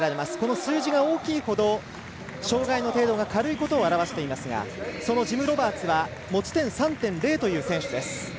数字が大きいほど障がいの程度が軽いことを表していますがそのジム・ロバーツは持ち点３．０という選手です。